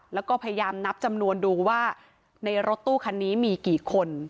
แล้วก็พยายามนับจำนวนดูว่าในรถตู้คันนี้มีกี่คน